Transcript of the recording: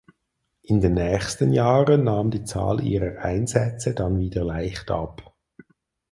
In den nächsten Jahren nahm die Zahl ihrer Einsätze dann wieder leicht ab.